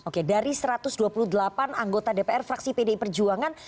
oke dari satu ratus dua puluh delapan anggota dpr fraksi pdi perjuangan